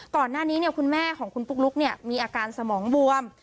ก่อนหน้านี้คุณแม่ของคุณปุ๊กลุ๊กมีอาการสมองบวม